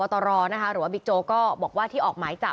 รวมถึงเมื่อวานี้ที่บิ๊กโจ๊กพาไปคุยกับแอมท์ท่านสถานหญิงกลาง